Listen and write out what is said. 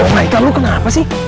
nah itu lu kenapa sih